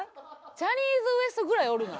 ジャニーズＷＥＳＴぐらいおるな。